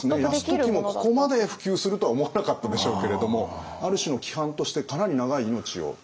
泰時もここまで普及するとは思わなかったでしょうけれどもある種の規範としてかなり長い命を保つことになりますね。